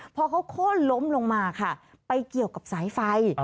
พอเขาโค้นล้มลงมาค่ะไปเกี่ยวกับสายไฟ